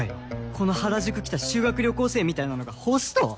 この原宿来た修学旅行生みたいなのがホスト？